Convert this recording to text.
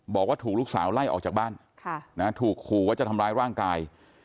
บอกว่าถูกลูกสาวไล่ออกจากบ้านถูกขู่ว่าจะทำร้ายร่างกาย